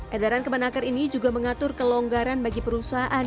edaran kemenaker ini juga mengatur kelonggaran bagi perusahaan